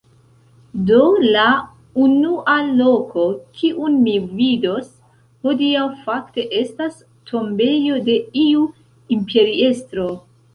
Do, la unua loko, kiun mi vidos hodiaŭ fakte estas tombejo de iu imperiestro